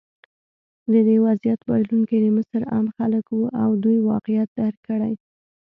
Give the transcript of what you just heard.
د دې وضعیت بایلونکي د مصر عام خلک وو او دوی واقعیت درک کړی.